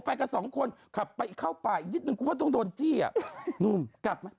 ไปกันสองคนขับไปเข้าป่าอีกนิดนึงคุณก็ต้องโดนจี้อ่ะหนุ่มกลับไหม